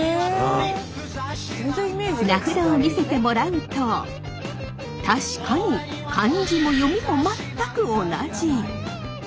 名札を見せてもらうと確かに漢字も読みも全く同じ！